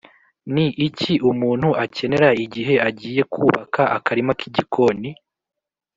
ni iki umuntu akenera igihe agiye kubaka akarima k’igikoni?